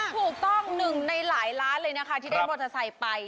ถูกต้องหนึ่งในหลายล้านเลยนะคะที่ได้มอเตอร์ไซค์ไป